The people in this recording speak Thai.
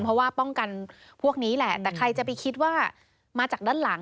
เพราะว่าป้องกันพวกนี้แหละแต่ใครจะไปคิดว่ามาจากด้านหลัง